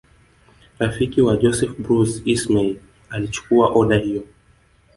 Rafiki wa Joseph Bruce Ismay alichukua oda hiyo